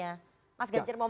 mas gesir mau melanjutkan